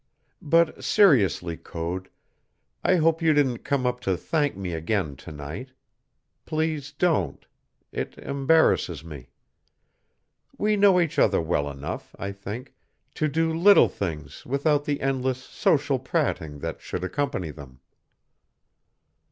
"But seriously, Code, I hope you didn't come up to thank me again to night. Please don't. It embarrasses me. We know each other well enough, I think, to do little things without the endless social prating that should accompany them."